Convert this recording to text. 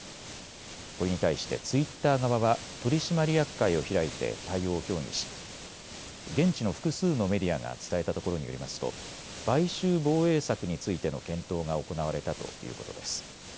これに対してツイッター側は取締役会を開いて対応を協議し現地の複数のメディアが伝えたところによりますと買収防衛策についての検討が行われたということです。